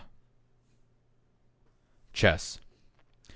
_ =Chess.